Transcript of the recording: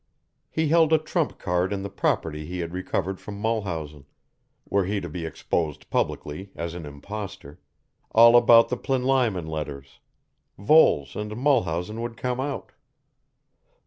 He held a trump card in the property he had recovered from Mulhausen, were he to be exposed publicly as an impostor, all about the Plinlimon letters, Voles and Mulhausen would come out.